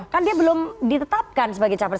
kan dia belum ditetapkan sebagai capres